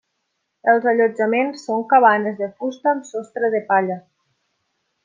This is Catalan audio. Els allotjaments són cabanes de fusta amb sostre de palla.